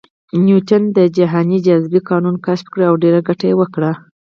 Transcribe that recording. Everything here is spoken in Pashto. نیوټن د جهاني جاذبې قانون کشف کړ او ډېره ګټه یې وکړه